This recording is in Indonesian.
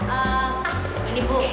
eh ah ini bu